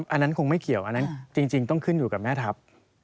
อันนั้นคงไม่เกี่ยวอันนั้นจริงต้องขึ้นอยู่กับแม่ทัพ